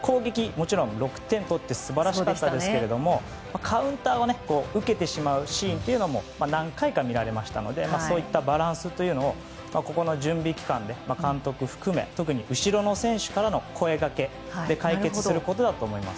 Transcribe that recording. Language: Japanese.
もちろん６点取って素晴らしかったですけどもカウンターを受けるシーンも何回か見られましたのでそういったバランスというのをここの準備期間で監督を含め特に後ろの選手からの声掛けで解決することだと思います。